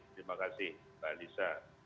terima kasih mbak alisa